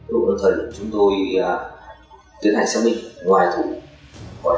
để cho nên chúng tôi bắt buộc